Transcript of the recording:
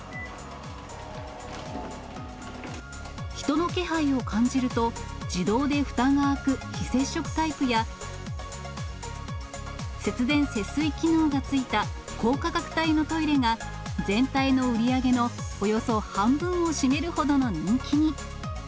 人の気配を感じると、自動でふたが開く非接触タイプや、節電節水機能が付いた高価格帯のトイレが、全体の売り上げのおよそ半分を占めるほどの人気に。